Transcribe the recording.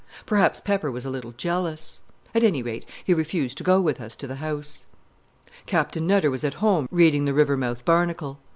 Perhaps Pepper was a little jealous. At any rate, he refused to go with us to the house. Captain Nutter was at home reading the Rivermouth Barnacle.